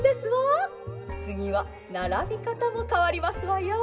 つぎはならびかたもかわりますわよ」。